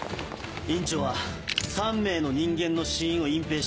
院長は３名の人間の死因を隠蔽した。